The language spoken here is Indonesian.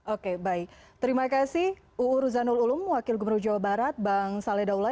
oke baik terima kasih uu ruzanul ulum wakil gubernur jawa barat bang saleh daula